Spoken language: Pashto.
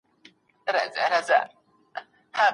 وايي رود چي سمندر ته دا خلیږي